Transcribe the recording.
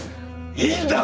いいんだ！